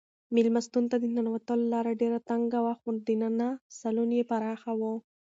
مېلمستون ته د ننوتلو لاره ډېره تنګه وه خو دننه سالون یې پراخه و.